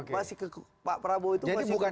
masih ke pak prabowo itu masih ke pulang